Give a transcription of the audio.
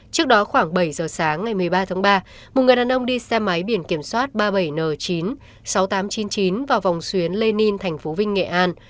trước đó khoảng bảy giờ sáng ngày một mươi ba tháng ba một người đàn ông đi xe máy biển kiểm soát ba mươi bảy n chín mươi sáu nghìn tám trăm chín mươi chín vào vòng xuyến le ninh thành phố vinh nghệ an